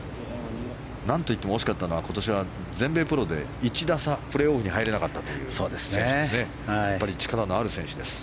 何といっても惜しかったのは今年は全米プロで１打差プレーオフに入れなかった選手です。